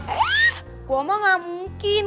eh gue mau gak mungkin